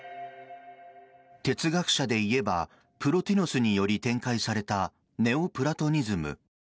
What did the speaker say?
哲学者でいえばプロティノスにより展開されたネオプラトニズム。